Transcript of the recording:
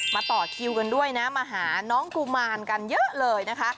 ต่อคิวกันด้วยนะมาหาน้องกุมารกันเยอะเลยนะคะ